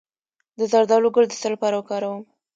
د زردالو ګل د څه لپاره وکاروم؟